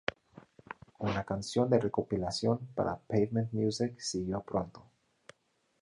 Una canción de recopilación para Pavement Music siguió pronto.